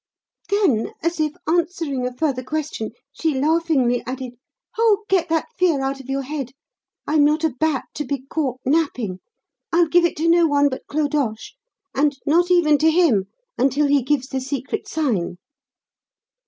Then, as if answering a further question, she laughingly added: 'Oh, get that fear out of your head. I'm not a bat, to be caught napping. I'll give it to no one but Clodoche and not even to him until he gives the secret sign.'